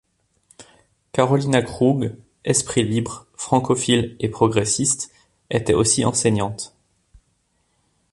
Carolina Krug, esprit libre, francophile et progressiste, était aussi enseignante.